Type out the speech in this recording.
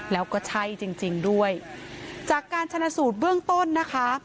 แล้วก็ใช่จริงจริงด้วยจากการชนะสูตรเบื้องต้นนะคะ